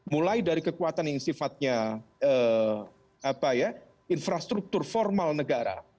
mulai dari kekuatan yang sifatnya infrastruktur formal negara